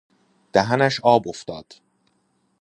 دهنش آب افتاد